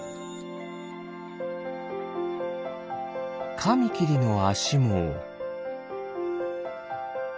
カミキリのあしも。